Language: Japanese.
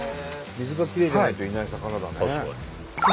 水がきれいじゃないといない魚だね。